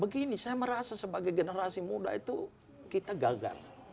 begini saya merasa sebagai generasi muda itu kita gagal